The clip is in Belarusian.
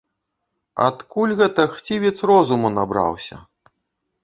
Адкуль гэта хцівец розуму набраўся?